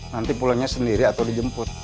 nanti pulangnya sendiri atau dijemput